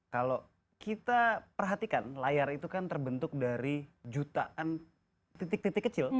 kalau kita perhatikan layar itu kan terbentuk dari jutaan titik titik kecil